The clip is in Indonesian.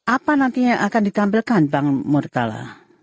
apa nantinya yang akan ditampilkan bang murtala